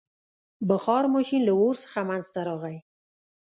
• بخار ماشین له اور څخه منځته راغی.